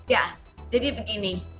ya jadi begini